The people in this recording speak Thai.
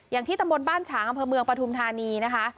อย่างที่ตำบลบ้านฉางอำเภอเมืองปฐุมธานีนะคะ